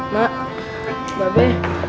mak mbak be